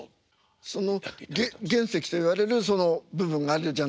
その原石といわれるその部分があるじゃないですか。